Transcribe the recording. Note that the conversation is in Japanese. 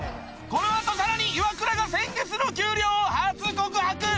このあとさらにイワクラが先月の給料を初告白